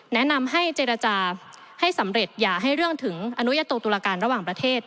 แนะนำให้เจรจาให้สำเร็จอย่าให้เรื่องถึงอนุญาโตตุลาการระหว่างประเทศ